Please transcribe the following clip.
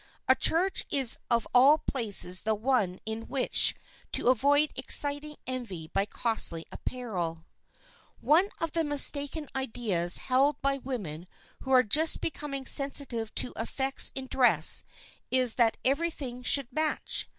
A church is of all places the one in which to avoid exciting envy by costly apparel. One of the mistaken ideas held by women who are just becoming sensitive to effects in dress is that everything should match.